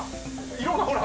色がほら！